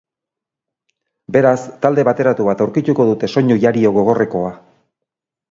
Beraz, talde bateratu bat aurkituko dute, soinu jario gogorrekoa.